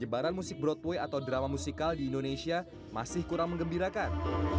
kebaran musik broadway atau drama musikal di indonesia masih kurang mengembirakan